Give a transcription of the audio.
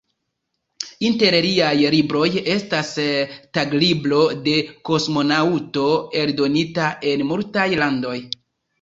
Inter liaj libroj estas "Taglibro de kosmonaŭto", eldonita en multaj landoj.